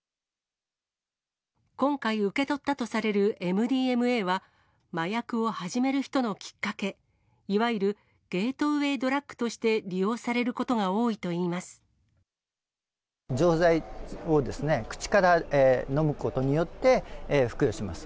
今回受け取ったとされるＭＤＭＡは、麻薬を始める人のきっかけ、いわゆるゲートウェイドラッグとして利用されることが多いといい錠剤を口からのむことによって、服用します。